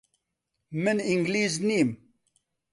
من ئینگلیز نیم.